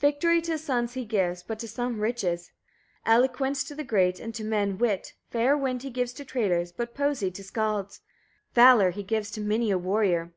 3. Victory to his sons he gives, but to some riches; eloquence to the great, and to men, wit; fair wind he gives to traders, but poesy to skallds; valour he gives to many a warrior.